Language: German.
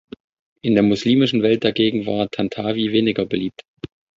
In der muslimischen Welt dagegen war Tantawi weniger beliebt.